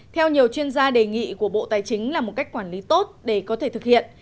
theo nhiều chuyên gia đề nghị của bộ tài chính là một cách quản lý tốt để có thể thực hiện